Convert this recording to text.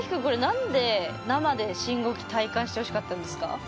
これ何で生で信号機体感してほしかったんですか？